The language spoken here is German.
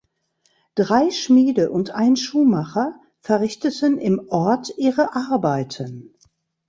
Drei Schmiede und ein Schuhmacher verrichteten im Ort ihre Arbeiten.